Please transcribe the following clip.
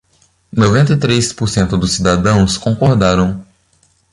Noventa e três por cento dos cidadãos concordaram